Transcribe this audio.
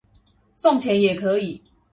送錢也可以